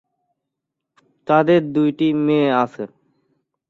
তাদের দুইটি মেয়ে আছে।